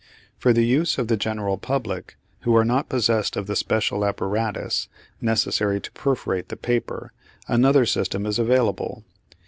For the use of the general public who are not possessed of the special apparatus necessary to perforate the paper another system is available.